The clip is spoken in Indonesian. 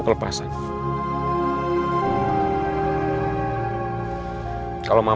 aku panjang belumtau